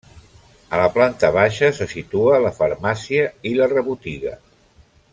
A la planta baixa se situa la farmàcia i la rebotiga.